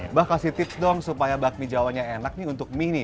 mbah kasih tips dong supaya bakmi jawanya enak nih untuk mie nih